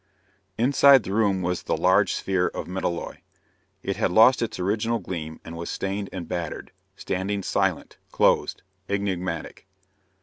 Inside the room was the large sphere of metalloy. It had lost its original gleam and was stained and battered, standing silent, closed, enigmatic.